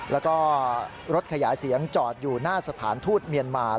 แล้วก็รถขยายเสียงจอดอยู่หน้าสถานทูตเมียนมา